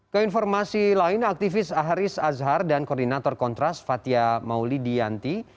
keinformasi lain aktivis haris azhar dan koordinator kontras fathia mauli dianti